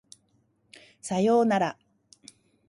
左様なら